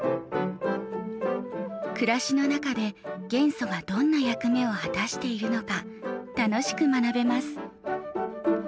暮らしの中で元素がどんな役目を果たしているのか楽しく学べます。